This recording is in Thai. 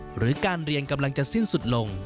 หรือการเรียนกำลังจะสิ้นสุดลง